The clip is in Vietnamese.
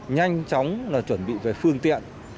nhanh chóng là chuẩn bị về phương tiện